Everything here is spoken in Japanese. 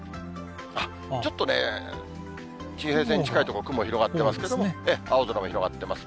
ちょっと地平線に近い所、雲広がってますけれども、青空も広がってます。